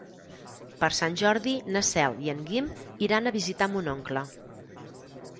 Per Sant Jordi na Cel i en Guim iran a visitar mon oncle.